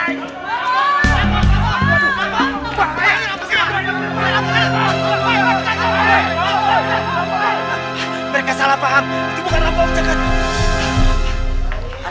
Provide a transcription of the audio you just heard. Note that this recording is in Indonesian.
itu bukan rampok cekat